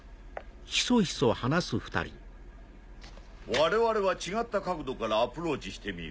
我々は違った角度からアプローチしてみる。